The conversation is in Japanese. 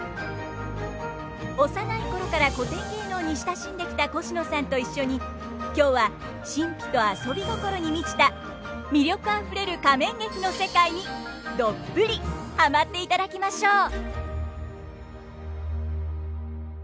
幼い頃から古典芸能に親しんできたコシノさんと一緒に今日は神秘と遊び心に満ちた魅力あふれる仮面劇の世界にどっぷりハマっていただきましょう！